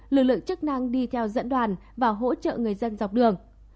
lực lượng chức năng đi theo dẫn đoàn và hỗ trợ người dân dọc đường